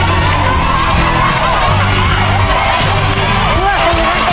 ครอบครัวของแม่ปุ้ยจังหวัดสะแก้วนะครับ